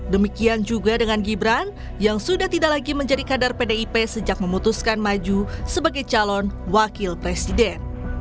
demikian juga dengan gibran yang sudah tidak lagi menjadi kader pdip sejak memutuskan maju sebagai calon wakil presiden